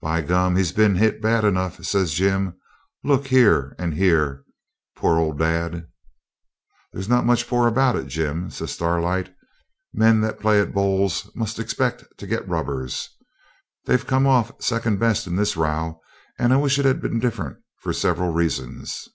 'By gum! he's been hit bad enough,' says Jim. 'Look here, and here, poor old dad!' 'There's not much "poor" about it, Jim,' says Starlight. 'Men that play at bowls must expect to get rubbers. They've come off second best in this row, and I wish it had been different, for several reasons.'